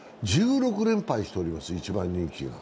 １６連敗しております、１番人気が。